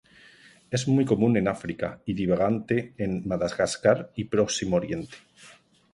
Es muy común en África y divagante en Madagascar y Próximo Oriente.